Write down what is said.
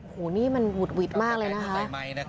โอ้โหนี่มันหุดหวิดมากเลยนะคะ